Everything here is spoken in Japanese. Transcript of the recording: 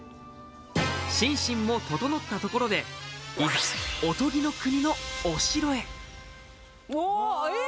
心身も整ったところでいざおとぎの国のお城へうわえっ？